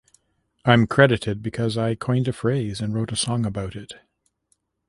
I'm credited because I coined a phrase and wrote a song about it.